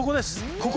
ここ！